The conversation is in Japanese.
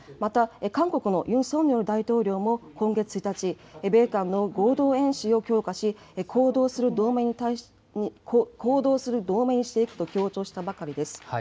また韓国のユン・ソンニョル大統領も、今月１日、米韓の合同演習を強化し、行動する同盟にしていくと強調したばかりです。